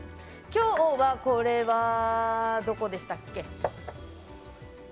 今日はこれはどこでしたっけ。